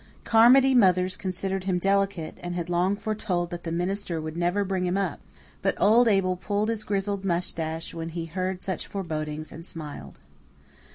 Carmody mothers considered him delicate, and had long foretold that the minister would never bring him up; but old Abel pulled his grizzled moustache when he heard such forebodings and smiled.